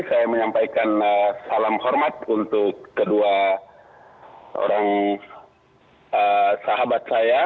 saya menyampaikan salam hormat untuk kedua orang sahabat saya